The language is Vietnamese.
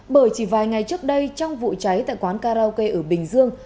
bởi chỉ vài ngày trước đây trong vụ cháy tại quán karaoke ở bình dương